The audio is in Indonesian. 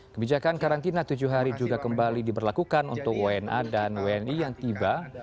kebijakan karantina tujuh hari juga kembali diberlakukan untuk wna dan wni yang tiba